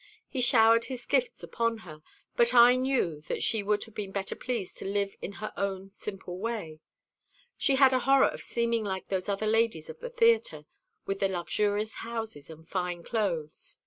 He showered his gifts upon her; but I knew that she would have been better pleased to live in her own simple way. She had a horror of seeming like those other ladies of the theatre, with their luxurious houses and fine clothes.